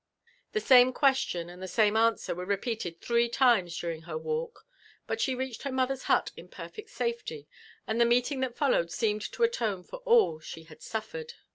The same question and the same answer were repeated three times during her walk ; but she reached her mother's hut in perfect safety, and the meeting that followed seemed to alone for all she had suflered.